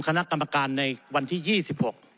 คณะกรรมการในวันที่๒๖